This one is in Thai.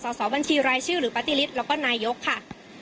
สาวบัญชีรายชื่อหรือปฏิฤทธิ์แล้วก็นายยกค่ะ